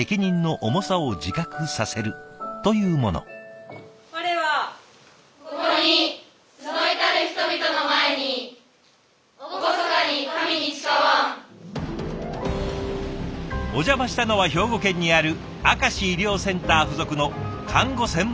お邪魔したのは兵庫県にある明石医療センター附属の看護専門学校。